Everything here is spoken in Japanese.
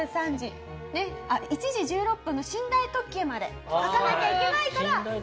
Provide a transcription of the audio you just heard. あっ１時１６分の寝台特急まで書かなきゃいけないから。